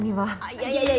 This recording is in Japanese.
いやいやいや。